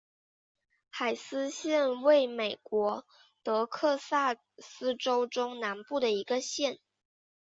海斯县位美国德克萨斯州中南部的一个县。